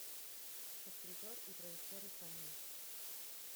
Escritor y traductor español.